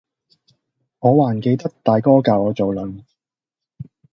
我還記得大哥教我做論，